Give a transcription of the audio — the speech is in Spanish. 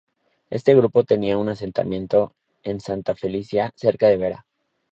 Este grupo tenía su asentamiento en Santa Felicia, cerca de Vera.